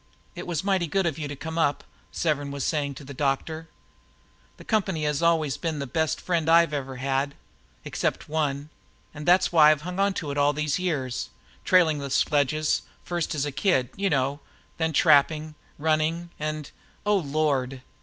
"It was mighty good of you to come up," Severn was saying to the doctor. "The company has always been the best friend I've ever had except one and that's why I've hung to it all these years, trailing the sledges first as a kid, you know, then trapping, running, and oh, Lord!"